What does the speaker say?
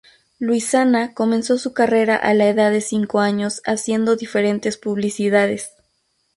Luisana comenzó su carrera a la edad de cinco años haciendo diferentes publicidades.